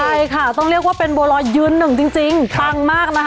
ใช่ค่ะต้องเรียกว่าเป็นบัวรอยยืนหนึ่งจริงปังมากนะคะ